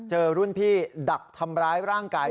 เจอรุ่นพี่ดักทำร้ายร่างกาย